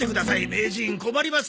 名人困ります！